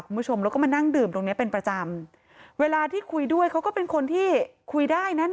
คุณผู้ชมแล้วก็มานั่งดื่มตรงเนี้ยเป็นประจำเวลาที่คุยด้วยเขาก็เป็นคนที่คุยได้นะ